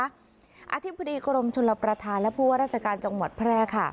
อธิบดีกรมชลประธานและผู้ว่าราชการจังหวัดแพร่ค่ะ